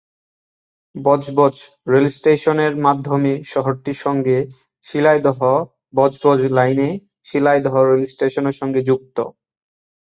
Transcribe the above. Budge Budge rail স্টেশনের মাধ্যমে শহরটির সঙ্গে শিয়ালদহ-বজবজ লাইনে শিয়ালদহ রেল স্টেশনের সঙ্গে যুক্ত।